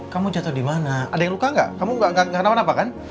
kamu jatuh di mana ada yang luka gak kamu gak rawan apa kan